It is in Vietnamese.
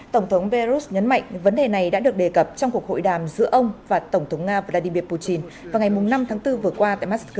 tổng thống belarus nhấn mạnh vấn đề này đã được đề cập trong cuộc hội đàm giữa ông và tổng thống nga vladimir putin vào ngày năm tháng bốn vừa qua tại moscow